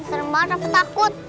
serem banget rafa takut